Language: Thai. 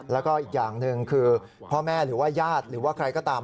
แล้วก็อีกอย่างหนึ่งคือพ่อแม่หรือว่าญาติหรือว่าใครก็ตาม